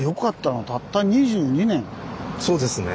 そうですね。